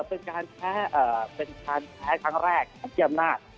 เมื่อกี้คุณอามบอกว่าเป็นการแพ้ครั้งแรกของพี่อำนาจ